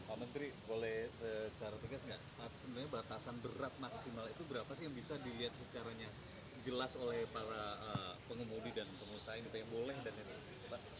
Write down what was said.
pak menteri boleh secara tegas nggak sebenarnya batasan berat maksimal itu berapa sih yang bisa dilihat secaranya jelas oleh para pengemudi dan pengusaha ini pak yang boleh dan yang lain